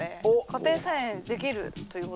家庭菜園できるということで。